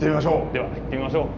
では行ってみましょう。